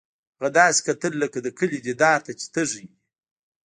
هغه داسې کتل لکه د کلي دیدار ته چې تږی وي